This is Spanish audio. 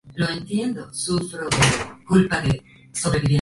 El centro de visitantes ha sido nombrado en su honor.